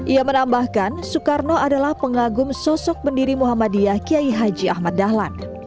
ia menambahkan soekarno adalah pengagum sosok pendiri muhammadiyah kiai haji ahmad dahlan